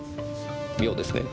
妙ですね。